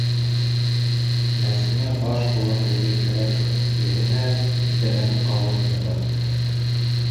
Нәфсеңә баш була белергә кәрәк шул, юғиһә, иҫәрләнеп ҡалыуын да бар!